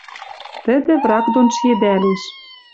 Тӹдӹ враг дон шиэдӓлеш